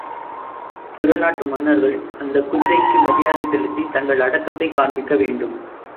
பிற நாட்டு மன்னர்கள், அந்தக் குதிரைக்கு மரியாதை செலுத்தி தங்கள் அடக்கத்தைக் காண்பிக்க வேண்டும்.